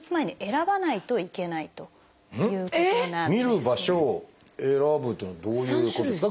見る場所を選ぶというのはどういうことですか？